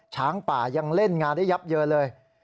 ช้างป่ายังเล่นงานได้ยับเยินเลย